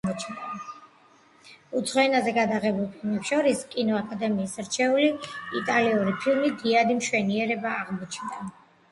უცხო ენაზე გადაღებულ ფილმებს შორის კინოაკადემიის რჩეული იტალიური ფილმი „დიადი მშვენიერება“ აღმოჩნდა.